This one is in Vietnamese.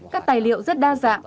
các tài liệu rất đa dạng